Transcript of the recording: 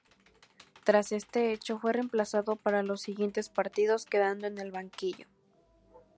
Tras este hecho, fue reemplazado para los siguientes partidos, quedando en el banquillo.